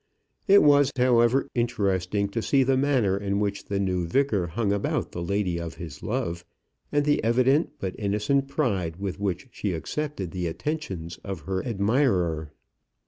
It was, however, interesting to see the manner in which the new vicar hung about the lady of his love, and the evident but innocent pride with which she accepted the attentions of her admirer.